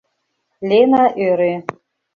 — Лена ӧрӧ.